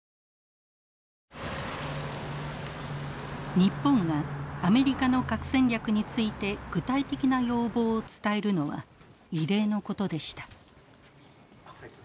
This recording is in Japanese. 日本がアメリカの核戦略について具体的な要望を伝えるのは異例のことでした。